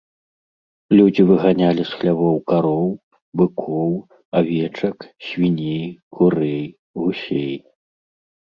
Людзі выганялі з хлявоў кароў, быкоў, авечак, свіней, курэй, гусей.